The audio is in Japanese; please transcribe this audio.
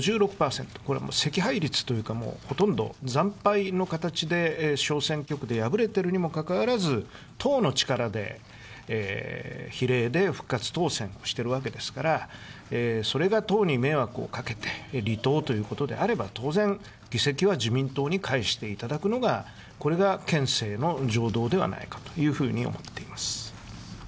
これはもう惜敗率というか、もうほとんど惨敗の形で小選挙区で敗れてるにもかかわらず、党の力で、比例で復活当選をしてるわけですから、それが党に迷惑をかけて離党ということであれば、当然議席は自民党に返していただくのが、これが憲政の常道ではないかというふうに思っています。